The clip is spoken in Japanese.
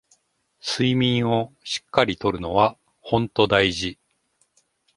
睡眠をしっかり取るのはほんと大事